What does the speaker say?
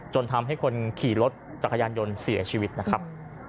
จนทำให้คนขี่รถจักรยานยนต์เสียชีวิตนะครับ